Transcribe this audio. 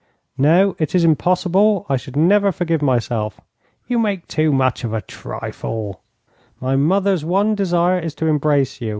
'No, it is impossible. I should never forgive myself.' 'You make too much of a trifle.' 'My mother's one desire is to embrace you.